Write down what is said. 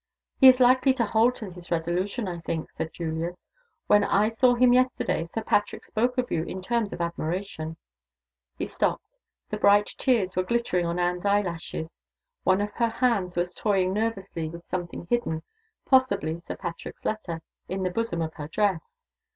"He is likely to hold to his resolution, I think," said Julius. "When I saw him yesterday, Sir Patrick spoke of you in terms of admiration " He stopped. The bright tears were glittering on Anne's eyelashes; one of her hands was toying nervously with something hidden (possibly Sir Patrick's letter) in the bosom of her dress.